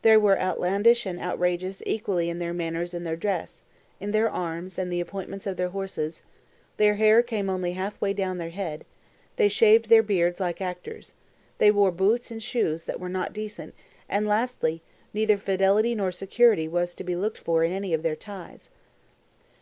They were outlandish and outrageous equally in their manners and their dress, in their arms and the appointments of their horses; their hair came only half way down their head; they shaved their beards like actors; they wore boots and shoes that were not decent; and, lastly, neither fidelity nor security was to be looked for in any of their ties.